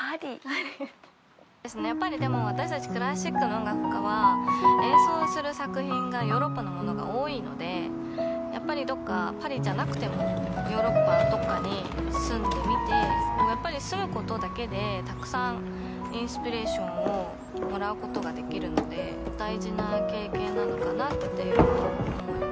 やっぱりでも私たちクラシックの音楽家は演奏する作品がヨーロッパのものが多いのでやっぱりどっかパリじゃなくてもヨーロッパどっかに住んでみてやっぱり住むことだけでたくさんインスピレーションをもらうことができるので大事な経験なのかなっていうのは思います。